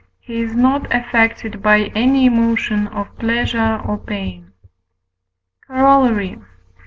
he is not affected by any emotion of pleasure or pain. Corollary.